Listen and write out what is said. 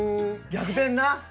逆転な。